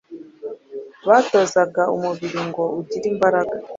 batozaga umubiri ngo ugire imbaraga